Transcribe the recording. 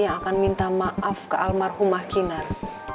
yang akan minta maaf ke almarhumah kinar